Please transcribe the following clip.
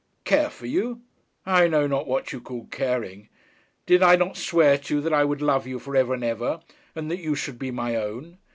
'Care for you? I know not what you call caring. Did I not swear to you that I would love you for ever and ever, and that you should be my own?